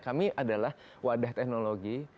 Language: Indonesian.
kami adalah wadah teknologi